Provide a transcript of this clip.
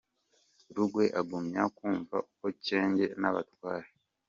Rugwe agumya kumva uko Cyenge n’Abatware